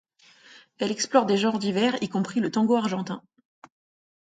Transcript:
Elle explore des genres divers, y compris le tango argentin.